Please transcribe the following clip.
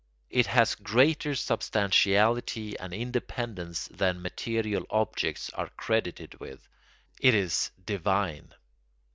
It has greater substantiality and independence than material objects are credited with. It is divine.